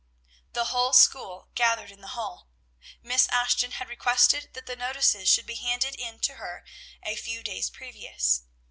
The whole school gathered in the hall. Miss Ashton had requested that the notices should be handed in to her a few days previous.